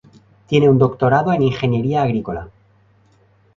Tiene un doctorado en ingeniería agrícola.